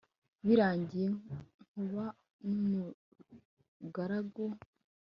Birangiye Nkuba numugaragu